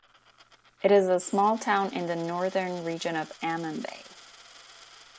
It is a small town in the northern region of Amambay.